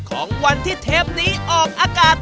ของวันที่เทปนี้ออกอากาศ